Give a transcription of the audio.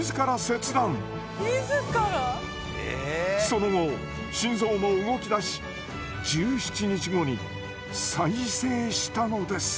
その後心臓も動きだし１７日後に再生したのです。